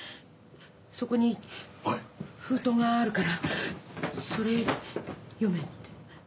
そこに封筒があるからそれ読めって。